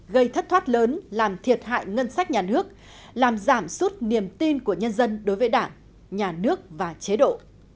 gây thất thoát lớn làm thiệt hại ngân sách nhà nước làm giảm suốt niềm tin của nhân dân đối với đảng nhà nước và chế độ